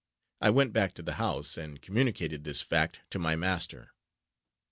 I went back to the house, and communicated this fact to my master.